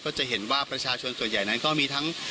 จะเห็นว่าประชาชนส่วนใหญ่นั้นก็มีทั้ง